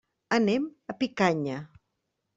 Anem a Picanya.